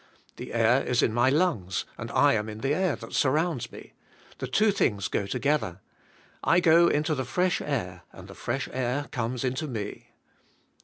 The air is in my lungs and I am in the air that surrounds me. The two things go to gether; I go into the fresh air and the fresh air comes into me.